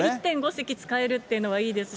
席使えるというのはいいですし。